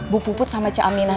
bu puput sama ca aminah